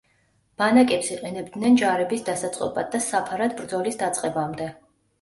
ბანაკებს იყენებდნენ ჯარების დასაწყობად და საფარად ბრძოლის დაწყებამდე.